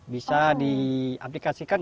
bisa di aplikasikan